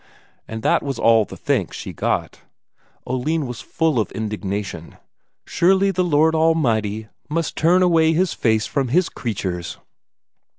And that was all the thanks she got! Oline was full of indignation surely the Lord Almighty must turn away His face from His creatures!